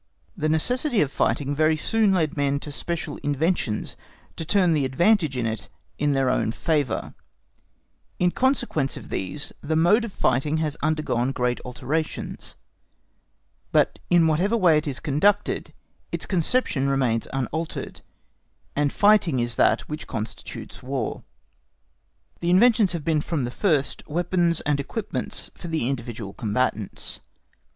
The necessity of fighting very soon led men to special inventions to turn the advantage in it in their own favour: in consequence of these the mode of fighting has undergone great alterations; but in whatever way it is conducted its conception remains unaltered, and fighting is that which constitutes War. The inventions have been from the first weapons and equipments for the individual combatants.